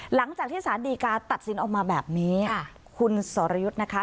หลังจากที่สารดีกาตัดสินออกมาแบบนี้คุณสรยุทธ์นะคะ